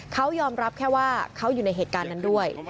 เขายอมรับแค่ว่าเขาอยู่ในเหตุการณ์นั้นด้วย